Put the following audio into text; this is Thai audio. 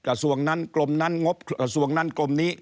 กระทรวงนั้นกลมนั้นงบกระทรวงนั้นกลมนี้